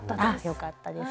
よかったです。